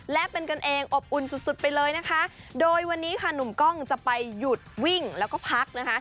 และเป็นกันเองอบอุ่นสุดสุดไปเลยนะคะโดยวันนี้ค่ะหนุ่มกล้องจะไปหยุดวิ่งแล้วก็พักนะคะ